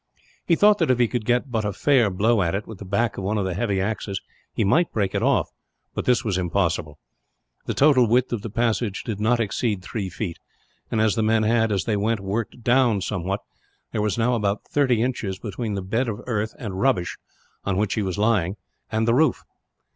He thought that if he could but get a fair blow at it, with the back of one of the heavy axes, he might break it off; but this was impossible. The total width of the passage did not exceed three feet; and as the men had, as they went, worked down somewhat, there was now about thirty inches between the bed of earth and rubbish, on which he was lying, and the roof.